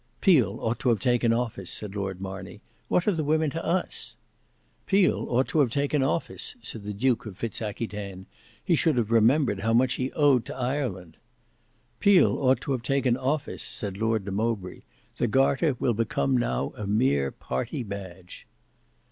"Peel ought to have taken office," said Lord Marney. "What are the women to us?" "Peel ought to have taken office," said the Duke of Fitz Aquitaine. "He should have remembered how much he owed to Ireland." "Peel ought to have taken office," said Lord de Mowbray. "The garter will become now a mere party badge."